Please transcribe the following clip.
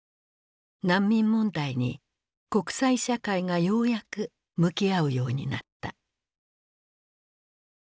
難民問題に国際社会がようやく向き合うようになった。